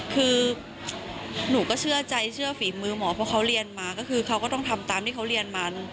คือหนูก็เชื่อใจเชื่อฝีมือหมอเพราะเขาเรียนมาก็คือเขาก็ต้องทำตามที่เขาเรียนมา